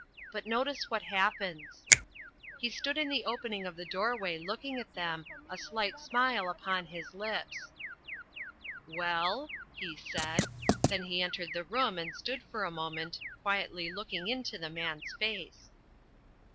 But notice what happens. He stood in the opening of the doorway looking at them, a slight smile upon his lips. "Well?" he said. Then he entered the room and stood for a moment quietly looking into The Man's face.